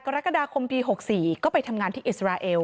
กรกฎาคมปี๖๔ก็ไปทำงานที่อิสราเอล